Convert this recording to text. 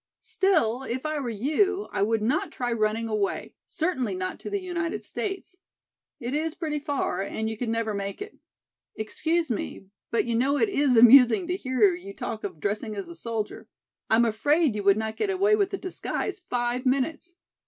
Still, if I were you I would not try running away, certainly not to the United States. It is pretty far and you could never make it. Excuse me, but you know it is amusing to hear you talk of dressing as a soldier. I am afraid you would not get away with the disguise five minutes.